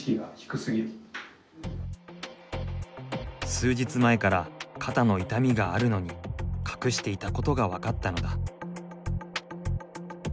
数日前から肩の痛みがあるのに隠していたことが分かったのだ。